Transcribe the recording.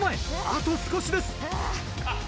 あと少しです。